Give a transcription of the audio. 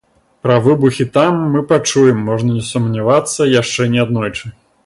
Пра выбухі там мы пачуем, можна не сумнявацца, яшчэ не аднойчы.